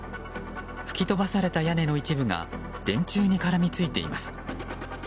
吹き飛ばされた屋根の一部が電柱に絡みついています。